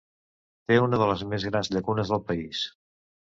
Té una de les més grans llacunes del país.